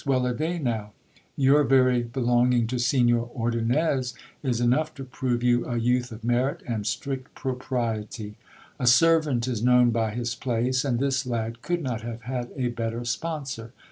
Well a day now ! Your very belonging to Signor Ordonnez is enough to prove you a youth of merit and strict propriety. A servant is known by his place, and this lad could not have had a better sponsor.